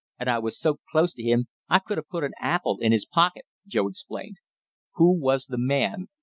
And I was so close to him I could have put an apple in his pocket," Joe explained. "Who was the man?"